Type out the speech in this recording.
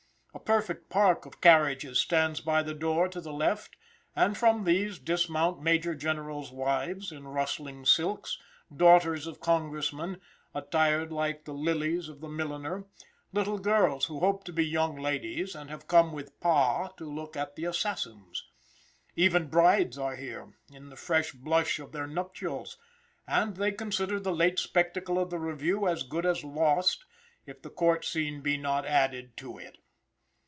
A perfect park of carriages stands by the door to the left, and from these dismount major generals' wives, in rustling silks; daughters of congressmen, attired like the lilies of the milliner; little girls who hope to be young ladies and have come with "Pa," to look at the assassins; even brides are here, in the fresh blush of their nuptials, and they consider the late spectacle of the review as good as lost, if the court scene be not added to it.